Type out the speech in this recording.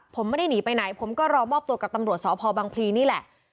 ผมไม่ได้หนีไปไหนผมก็รอมอบตัวกับตำรวจสพบังพลีนี่แหละ